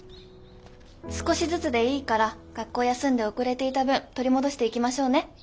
少しずつでいいから学校休んで遅れていた分取り戻していきましょうね。